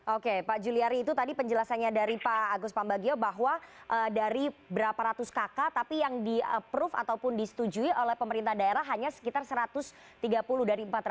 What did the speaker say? oke pak juliari itu tadi penjelasannya dari pak agus pambagio bahwa dari berapa ratus kakak tapi yang di approve ataupun disetujui oleh pemerintah daerah hanya sekitar satu ratus tiga puluh dari empat ratus